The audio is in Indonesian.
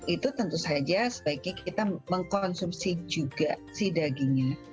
itu tentu saja sebaiknya kita mengkonsumsi juga si dagingnya